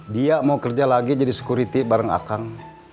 dia mau kerja lagi jadi security bareng akang